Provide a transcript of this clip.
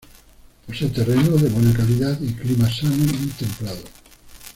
Posee terreno de buena calidad y clima sano y templado.